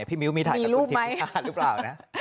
พี่มิ้วมีถ่ายกับคุณทิมพิธาหรือเปล่า